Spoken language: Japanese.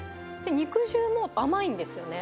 肉汁も甘いんですよね。